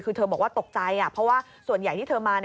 คือเธอบอกว่าตกใจเพราะว่าส่วนใหญ่ที่เธอมา